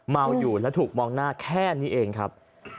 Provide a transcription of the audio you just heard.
เมาอยู่และถูกมองหน้าแค่นี้เองครับ